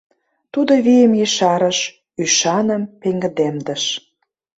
Тудо вийым ешарыш, ӱшаным пеҥгыдемдыш.